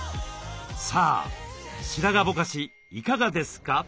さあ白髪ぼかしいかがですか？